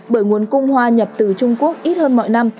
bởi nguồn cung hoa nhập từ trung quốc ít hơn mọi năm